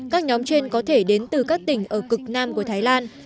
các nhóm trên có thể đến từ các tỉnh ở cực nam của thái lan